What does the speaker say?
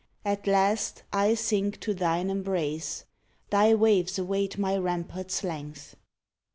At last I sink to thine embrace; Thy waves await my ramparts' length."